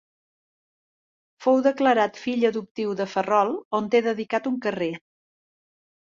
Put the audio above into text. Fou declarat fill adoptiu de Ferrol, on té dedicat un carrer.